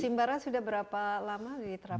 simbara sudah berapa lama di terapkan